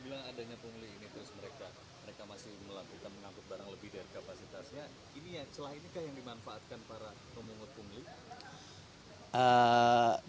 mereka masih melakukan mengangkut barang lebih dari kapasitasnya ini yang selain itu yang dimanfaatkan para pemungut pemilik